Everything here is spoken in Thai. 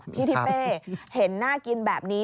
พี่ทิเป้เห็นน่ากินแบบนี้